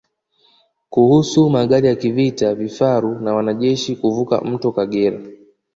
Kuruhusu magari ya kivita vifaru na wanajeshi kuvuka mto Kagera